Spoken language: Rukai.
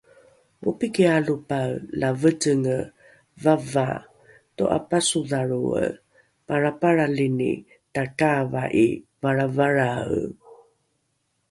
opiki alopae la vecenge vavaa to’apasodhalroe palrapalralini takaava’i valravalrae